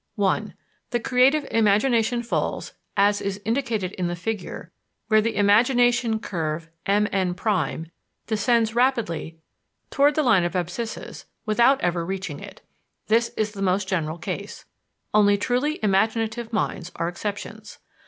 (1) The creative imagination falls, as is indicated in the figure, where the imagination curve MN´ descends rapidly toward the line of abcissas without ever reaching it. This is the most general case; only truly imaginative minds are exceptions.